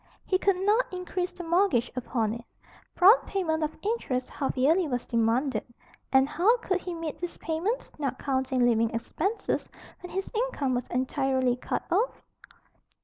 He could not increase the mortgage upon it. Prompt payment of interest half yearly was demanded. And how could he meet these payments, not counting living expenses, when his income was entirely cut off?